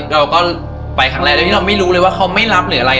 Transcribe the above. เราก็ไปครั้งแรกโดยที่เราไม่รู้เลยว่าเขาไม่รับหรืออะไร